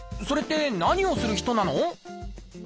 それって何をする人なの？